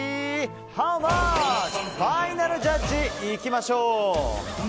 ハウマッチファイナルジャッジいきましょう。